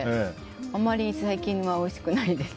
あんまり最近はおいしくないです。